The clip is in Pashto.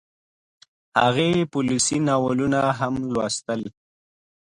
هغې پوليسي ناولونه هم لوستل